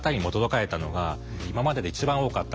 えっ一番多かった？